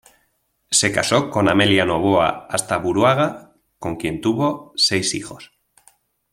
Se casó con Amelia Novoa Astaburuaga con quien tuvo seis hijos.